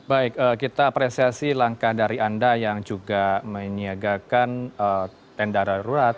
baik kita apresiasi langkah dari anda yang juga menyiagakan tenda darurat